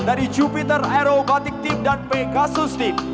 dari jupiter aerobatic team dan pegasus team